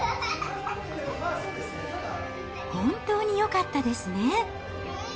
本当によかったですね。